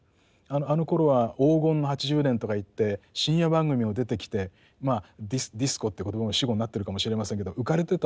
あのころは黄金の８０年とか言って深夜番組も出てきてディスコって言葉も死語になってるかもしれませんけど浮かれてたと。